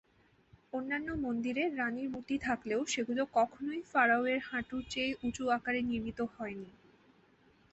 অন্যান্য মন্দিরে রাণীর মূর্তি থাকলেও সেগুলো কখনোই ফারাওয়ের হাঁটুর চেয়ে উচু আকারে নির্মিত হয়নি।